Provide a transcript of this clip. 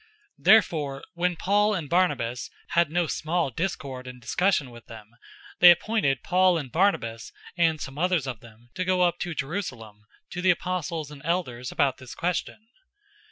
015:002 Therefore when Paul and Barnabas had no small discord and discussion with them, they appointed Paul and Barnabas, and some others of them, to go up to Jerusalem to the apostles and elders about this question.